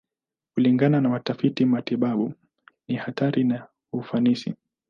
Kulingana na watafiti matibabu, ni hatari na ufanisi.